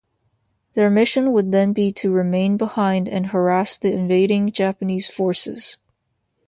Their mission would then be to remain behind and harass the invading Japanese forces.